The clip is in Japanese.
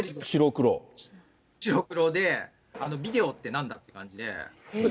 白黒で、ビデオってなんだって感じで。